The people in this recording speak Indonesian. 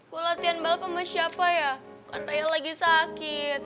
gue latihan balik sama siapa ya kan rey lagi sakit